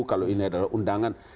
kalau ini adalah undangan